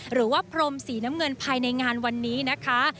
หรือว่าพรมสีน้ำเงินภายในงานวันนี้นะคะ